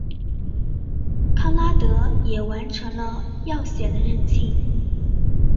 康拉德也完成了要写的日记。